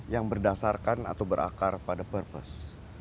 yang berdasarkan atau berakar pada purpose